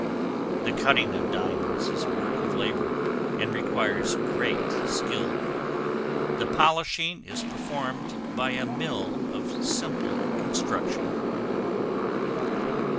The cutting of diamonds is a work of labor, and requires great skill; the polishing is performed by a mill of simple construction.